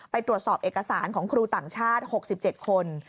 ไปตรวจสอบเอกสารของครูต่างชาติ๖๗คน